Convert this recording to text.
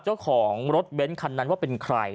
เจ้าของรถเบ้นคันนั้นว่าเป็นใคร